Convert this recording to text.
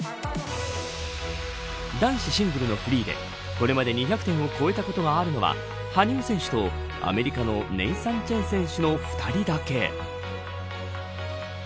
男子シングルのフリーでこれまで２００点を超えたことがあるのは羽生選手とアメリカのネイサン・チェン選手の２人だけ。